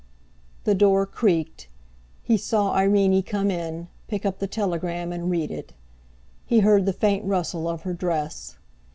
The door creaked. He saw Irene come in, pick up the telegram and read it. He heard the faint rustle of her dress.